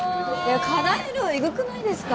課題の量エグくないですか？